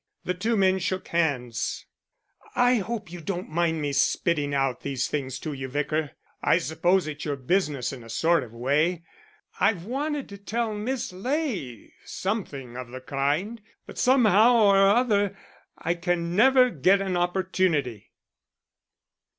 The two men shook hands. "I hope you don't mind me spitting out these things to you, Vicar. I suppose it's your business in a sort of way. I've wanted to tell Miss Ley something of the kind; but somehow or other I can never get an opportunity."